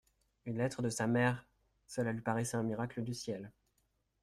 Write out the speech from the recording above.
Une lettre de sa mère ! Cela lui paraissait un miracle du ciel.